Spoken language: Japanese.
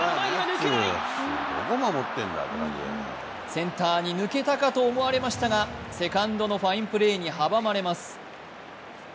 センターに抜けたかと思われましたがセカンドのファインプレーに阻まれます。